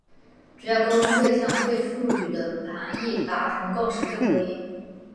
只要沟通对象对术语的含义达成共识就可以。